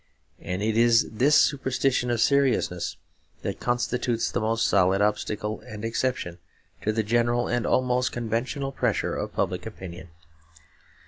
And it is this superstition of seriousness that constitutes the most solid obstacle and exception to the general and almost conventional pressure of public opinion.